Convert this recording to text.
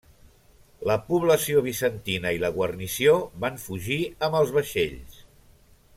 La població bizantina i la guarnició van fugir amb els vaixells.